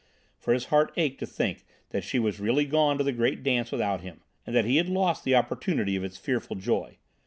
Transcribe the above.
for his heart ached to think that she was really gone to the great Dance without him, and that he had lost the opportunity of its fearful joy.